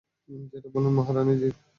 যেটা বলেন মহারানী জি।